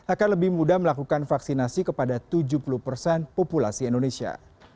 akan lebih mudah melakukan vaksinasi kepada tujuh puluh persen populasi indonesia